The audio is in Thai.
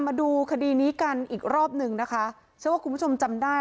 มาดูคดีนี้กันอีกรอบหนึ่งนะคะเชื่อว่าคุณผู้ชมจำได้